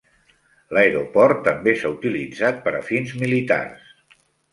L'aeroport també s'ha utilitzat per a fins militars.